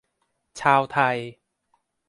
ชาวไทย